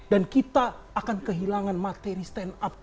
dan kita akan kehilangan materi stand up